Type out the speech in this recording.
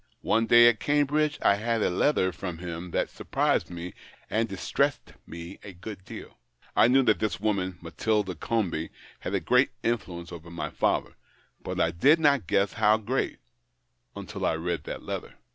One day, at Cambridge, I had a letter from him that surprised me and distressed me a good deal. I knew that this woman, Matilda Comby, had a great infiuence over my father, but I did not guess how great — until I read that letter.